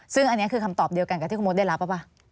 ซึ่งอันนี้คือคำตอบเดียวกันกับที่คุณมดได้รับหรือเปล่า